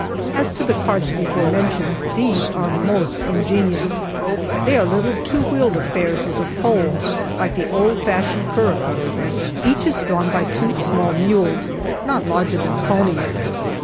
As to the carts before mentioned, these are most ingenious. They are little two wheeled affairs with a pole, like the old fashioned curricle; each is drawn by two small mules, not larger than ponies.